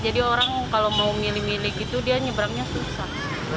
jadi orang kalau mau milih milih gitu dia nyeberangnya susah